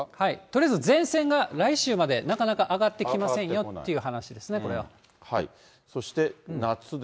とりあえず、前線が来週までなかなか上がってきませんよって話ですね、これは。